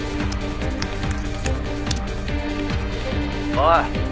「おい！